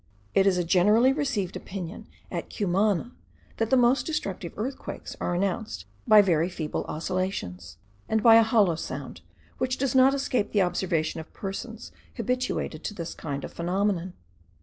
It is a generally received opinion at Cumana, that the most destructive earthquakes are announced by very feeble oscillations, and by a hollow sound, which does not escape the observation of persons habituated to this kind of phenomenon.